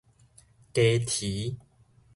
雞啼